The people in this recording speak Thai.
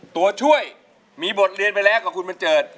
ตัวช่วยมีบทเรียนไปแล้วกับคุณบัญเจิด